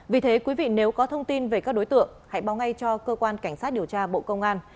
vì thế quý vị nếu có thông tin về các đối tượng hãy báo ngay cho cơ quan cảnh sát điều tra bộ công an